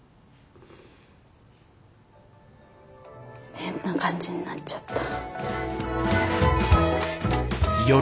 変な感じになっちゃった。